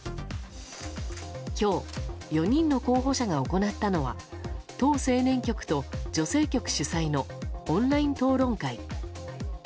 今日、４人の候補者が行ったのは党青年局と女性局主催のオンライン討論会。